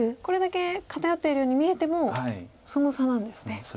これだけ偏っているように見えてもその差なんですね。